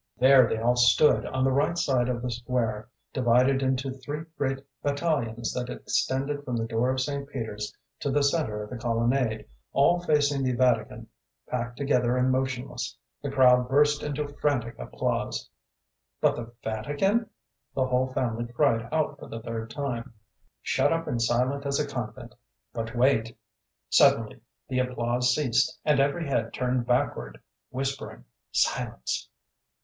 "There they all stood, on the right side of the square, divided into three great battalions that extended from the door of St. Peter's to the centre of the colonnade, all facing the Vatican, packed together and motionless. The crowd burst into frantic applause." "But the Vatican?" the whole family cried out for the third time. "Shut up and silent as a convent; but wait. Suddenly the applause ceased, and every head turned backward, whispering: 'Silence!'